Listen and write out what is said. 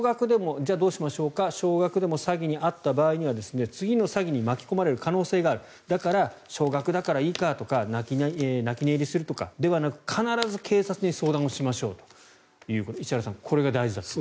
少額でも詐欺に遭った場合には次の詐欺に巻き込まれる可能性があるだから、少額だからいいかとか泣き寝入りするとかではなくて必ず警察に相談をしましょうということ石原さん、これが大事だと。